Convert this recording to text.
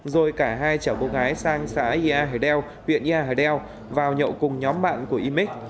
rồi cả hai chở cô gái sang xã nha hờ đeo huyện nha hờ đeo vào nhậu cùng nhóm bạn của y minh